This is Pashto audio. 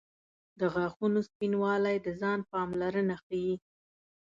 • د غاښونو سپینوالی د ځان پاملرنه ښيي.